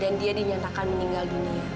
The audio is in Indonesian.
dan dia dinyatakan meninggal dunia